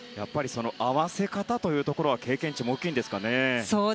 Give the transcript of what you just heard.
合わせ方というところは経験値も大きいんですかね？